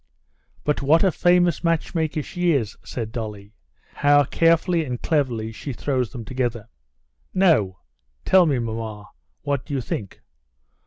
"But what a famous matchmaker she is!" said Dolly. "How carefully and cleverly she throws them together!..." "No; tell me, mamma, what do you think?"